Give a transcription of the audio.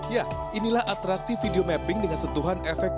ya inilah atraksi video mapping dengan sentuhan efek